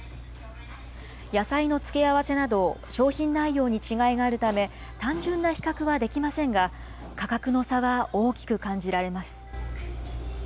野菜の付け合わせなど、商品内容に違いがあるため、単純な比較はできませんが、価格の差は大きく感じられます。